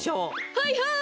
はいはい！